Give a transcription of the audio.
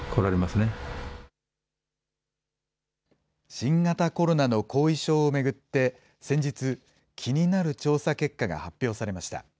新型コロナの後遺症を巡って、先日、気になる調査結果が発表されました。